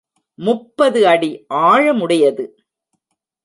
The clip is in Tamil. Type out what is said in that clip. முப்பது அடி ஆழமுடையது.